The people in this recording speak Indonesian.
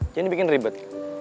jangan dibikin ribet